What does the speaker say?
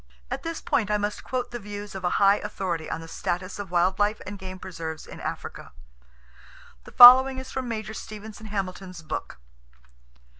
At this point I must quote the views of a high authority on the status of wild life and game preserves in Africa. The following is from Major Stevenson Hamilton's book.